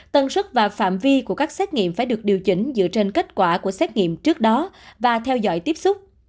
tân sức và phạm vi của các xét nghiệm phải được điều chỉnh dựa trên kết quả của xét nghiệm trước đó và theo dõi tiếp xúc